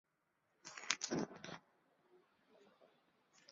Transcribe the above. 这是第六次在意大利举行赛事。